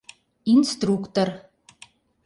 Инструктор.